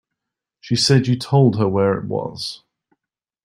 She said you told her where it was.